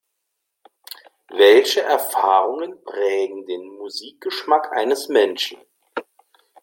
Welche Erfahrungen prägen den Musikgeschmack eines Menschen?